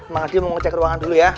bang adi mau ngecek ruangan dulu ya